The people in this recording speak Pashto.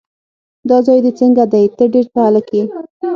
دا ځای دې څنګه دی؟ ته ډېر ښه هلک یې.